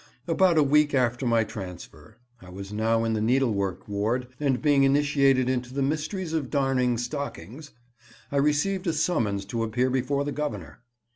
About a week after my transfer (I was now in the needlework ward, and being initiated into the mysteries of darning stockings) I received a summons to appear before the Governor.